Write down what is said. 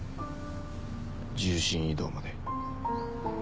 重心移動まで。